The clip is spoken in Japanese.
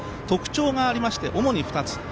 特徴がありまして、主に２つ。